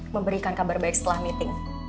memberikan kabar baik setelah meeting